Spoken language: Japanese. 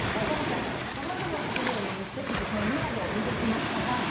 今回もさまざまな職業に密着してそのリアルを見てきましたが。